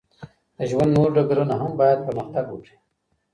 د ژوند نور ډګرونه هم باید پرمختګ وکړي.